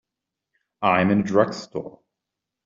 I'm in a drugstore.